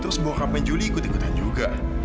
terus bokapnya julie ikut ikutan juga